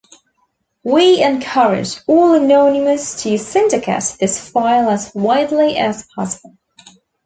We encourage all Anonymous to syndicate this file as widely as possible.